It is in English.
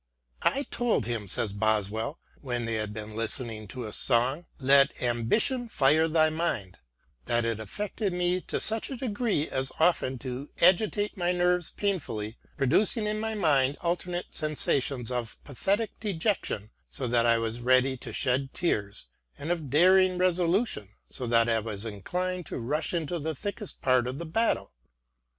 " I told him," says Boswell, when they had been listening to a song, " Let ambition fire thy mind," " that it affected me to such a degree as often to agitate my nerves painfully, producing in my mind alternate sensations of pathetic dejection so that I was ready to shed tears ; and of daring resolution so that I was inclined to rush into the thickest part of the battle."